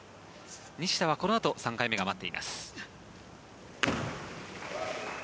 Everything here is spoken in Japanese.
西田はこのあと３回目が待っています。